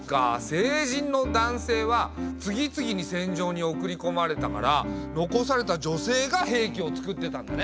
成人の男性は次々に戦場に送りこまれたから残された女性が兵器をつくってたんだね。